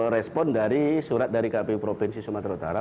respon dari surat dari kpu provinsi sumatera utara